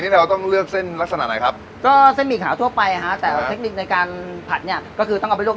แล้วเอามาผัดกับเครื่องนี้อีก